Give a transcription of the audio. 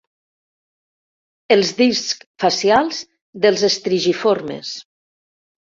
Els discs facials dels estrigiformes.